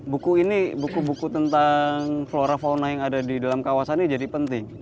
buku ini buku buku tentang flora fauna yang ada di dalam kawasan ini jadi penting